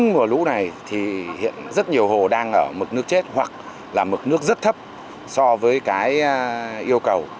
mùa lũ này thì hiện rất nhiều hồ đang ở mực nước chết hoặc là mực nước rất thấp so với cái yêu cầu